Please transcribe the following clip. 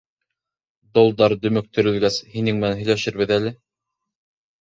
— Долдар дөмөктөрөлгәс, һинең менән һөйләшербеҙ әле.